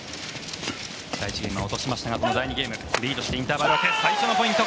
第１ゲームは落としましたがこの第２ゲームはリードしてインターバル明け最初のポイント。